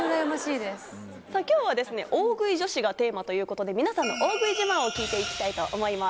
きょうはですね、大食い女子がテーマということで、皆さんの大食い自慢を聞いていきます。